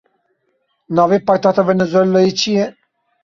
Navê paytexta Venezuelayê çi ye?